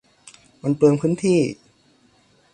มันเปลืองพื้นที่